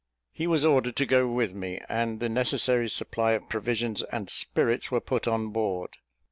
He was ordered to go with me, and the necessary supply of provisions and spirits were put on board.